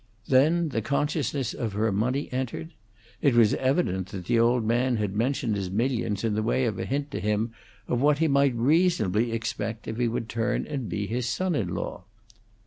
Then the consciousness of her money entered. It was evident that the old man had mentioned his millions in the way of a hint to him of what he might reasonably expect if he would turn and be his son in law.